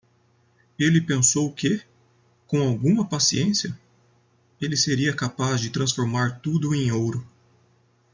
Ele pensou que? com alguma paciência? ele seria capaz de transformar tudo em ouro.